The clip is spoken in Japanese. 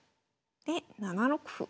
で７六歩。